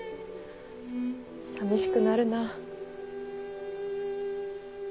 さみしくなるなぁ。